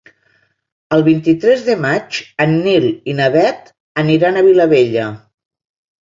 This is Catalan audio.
El vint-i-tres de maig en Nil i na Bet aniran a Vilabella.